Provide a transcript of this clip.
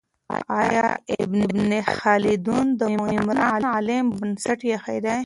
آیا ابن خلدون د عمران علم بنسټ ایښی دی؟